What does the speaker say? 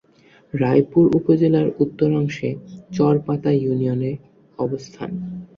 রায়পুর উপজেলার উত্তরাংশে চর পাতা ইউনিয়নের অবস্থান।